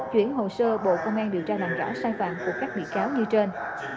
chuyển hồ sơ bộ công an điều tra làm rõ sai phạm của các bị cáo như trên